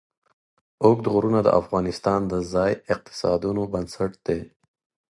اوږده غرونه د افغانستان د ځایي اقتصادونو بنسټ دی.